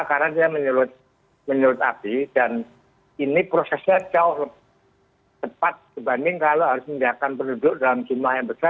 karena depo itu menurut saya menurut api dan ini prosesnya jauh lebih cepat dibanding kalau harus diberikan penduduk dalam jumlah yang besar